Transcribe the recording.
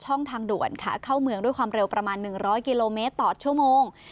ทางด่วนค่ะเข้าเมืองด้วยความเร็วประมาณ๑๐๐กิโลเมตรต่อชั่วโมง